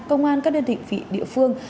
công an các đơn vị vị địa phương